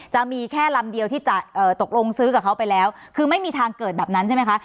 จะมีแค่ลำเดียวที่จะตกลงซื้อกับเขาไปแล้วคือไม่มีทางเกิดแบบนั้นใช่ไหมคะ